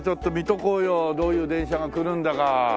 どういう電車が来るんだかこれ。